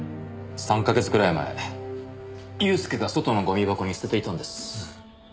３か月くらい前祐介が外のゴミ箱に捨てていたんです。